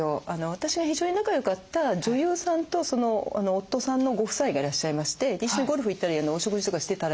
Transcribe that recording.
私が非常に仲良かった女優さんとその夫さんのご夫妻がいらっしゃいまして一緒にゴルフ行ったりお食事とかしてたらですね